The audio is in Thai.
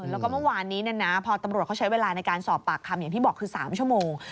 แล้วก็เมื่อวานนี้พอตำรวจเขาใช้เวลาในการสอบปากคำอย่างที่บอกคือ๓ชั่วโมง